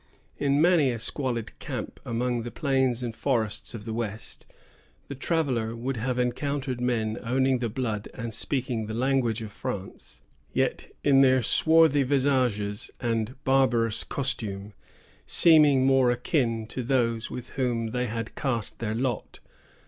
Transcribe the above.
In many a squalid camp among the plains and forests of the west, the traveller would have encountered men owning the blood and speaking the language of France, yet, in their swarthy visages and barbarous costume, seeming more akin to those with whom they had cast their lot.